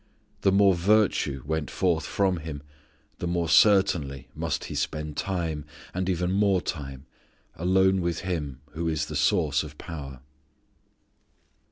The more virtue went forth from Him, the more certainly must He spend time, and even more time, alone with Him who is the source of power.